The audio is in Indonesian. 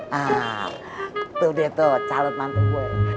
hah tuh dia tuh calon mantan gue